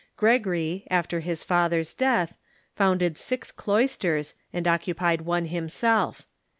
Gregory, after his father's death, founded six cloisters, and occupied one himself.